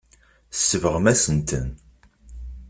Tsebɣemt-asent-ten.